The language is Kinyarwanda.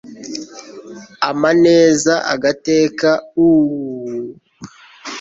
amaneza agateka = u-uu-u